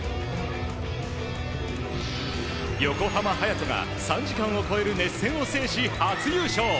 横浜隼人が３時間を超える熱戦を制し初優勝。